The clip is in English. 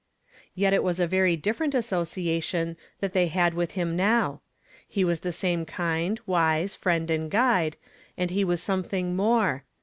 Yet it was a very different association that they had with him now. He was the same kind, wise F'iend and Guide, and he was something more.